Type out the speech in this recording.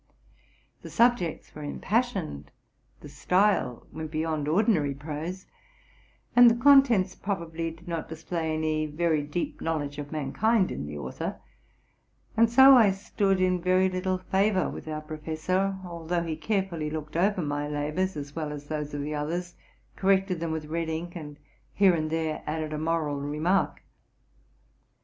The subjects were impassioned, the style went beyond ordinary prose, and the contents probably did not display any very deep knowledge of mankind in the author ; and so I stood in very little favor with our professor, al though he carefully looked over my labors as well as those of the others, corrected them with red ink, and here and there added a moral remark.